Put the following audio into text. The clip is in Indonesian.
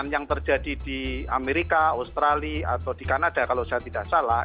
yang terjadi di amerika australia atau di kanada kalau saya tidak salah